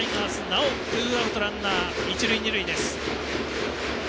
なおツーアウトランナー、一塁、二塁です。